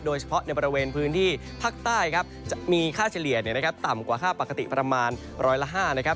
โดยเฉพาะในบริเวณพื้นที่ภาคใต้ครับจะมีค่าเฉลี่ยต่ำกว่าค่าปกติประมาณร้อยละ๕นะครับ